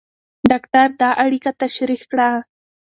ډاکټر دا اړیکه تشریح کړه.